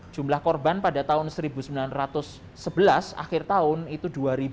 jumlah korban pada tahun seribu sembilan ratus sebelas akhir tahun itu dua